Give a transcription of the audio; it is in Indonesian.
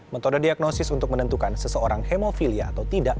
metode diagnosis untuk menentukan seseorang hemofilia atau tidak